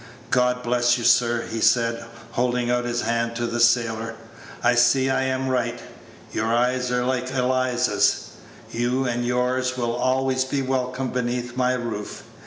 "God bless you, sir," he said, holding out his hand to the sailor. "I see I am right. Your eyes are like Eliza's. You and yours will always be welcome beneath my roof.